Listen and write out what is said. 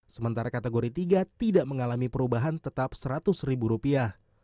sementara kategori tiga tidak mengalami perubahan tetap seratus ribu rupiah